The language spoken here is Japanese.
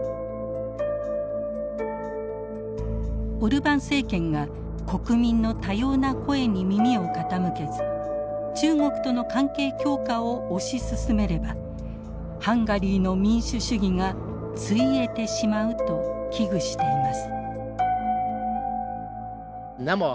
オルバン政権が国民の多様な声に耳を傾けず中国との関係強化を推し進めればハンガリーの民主主義がついえてしまうと危惧しています。